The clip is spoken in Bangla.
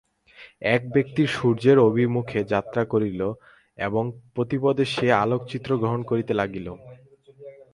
এক ব্যক্তি সূর্যের অভিমুখে যাত্রা করিল এবং প্রতি পদে সে আলোকচিত্র গ্রহণ করিতে লাগিল।